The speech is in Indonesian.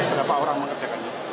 berapa orang menyesuaikan itu